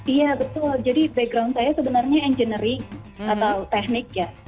iya betul jadi background saya sebenarnya engineering atau teknik ya